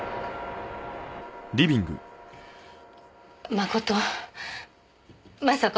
真人まさか